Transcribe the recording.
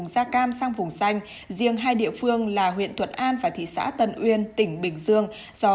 gia cam sang vùng xanh riêng hai địa phương là huyện thuận an và thị xã tân uyên tỉnh bình dương do